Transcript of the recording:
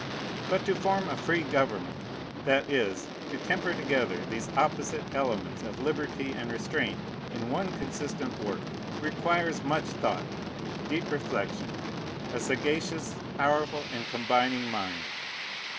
But to form a free government, that is, to temper together these opposite elements of liberty and restraint in one consistent work, requires much thought, deep reflection, a sagacious, powerful, and combining mind.